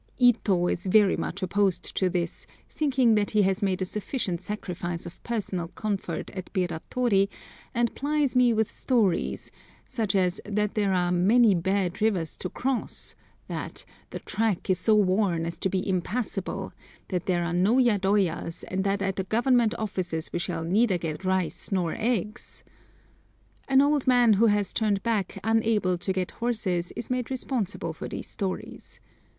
Ito is very much opposed to this, thinking that he has made a sufficient sacrifice of personal comfort at Biratori, and plies me with stories, such as that there are "many bad rivers to cross," that the track is so worn as to be impassable, that there are no yadoyas, and that at the Government offices we shall neither get rice nor eggs! An old man who has turned back unable to get horses is made responsible for these stories.